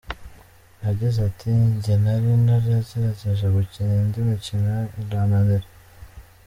Yagize ati "Njye nari naragerageje gukina indi mikino irananira.